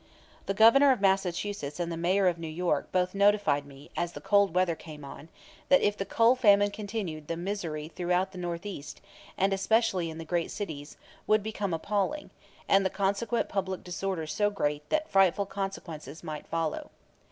The Governor of Massachusetts and the Mayor of New York both notified me, as the cold weather came on, that if the coal famine continued the misery throughout the Northeast, and especially in the great cities, would become appalling, and the consequent public disorder so great that frightful consequences might follow.